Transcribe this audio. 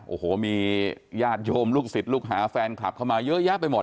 โอ้โหมีญาติโยมลูกศิษย์ลูกหาแฟนคลับเข้ามาเยอะแยะไปหมด